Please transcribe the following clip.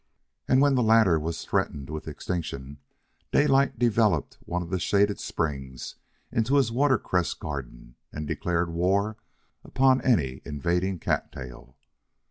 And when the latter was threatened with extinction, Daylight developed one of the shaded springs into his water cress garden and declared war upon any invading cattail.